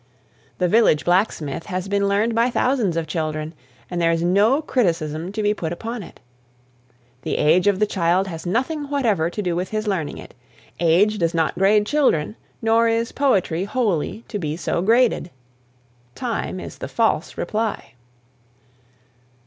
"The Village Blacksmith" has been learned by thousands of children, and there is no criticism to be put upon it. The age of the child has nothing whatever to do with his learning it. Age does not grade children nor is poetry wholly to be so graded. "Time is the false reply."